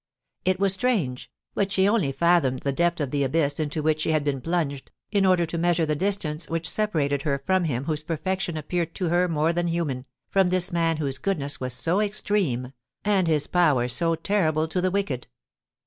It was strange, but she only fathomed the depth of the abyss into which she had been plunged, in order to measure the distance which separated her from him whose perfection appeared to her more than human, from this man whose goodness was so extreme, and his power so terrible to the wicked.